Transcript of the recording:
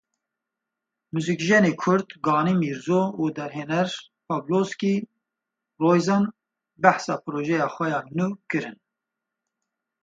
Muzîkjenê kurd Ganî Mîrzo û derhêner Pavlobski Roisen behsa projeya xwe ya nû kirin.